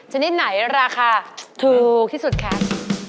ชนิดไหนราคาถูกที่สุดครับ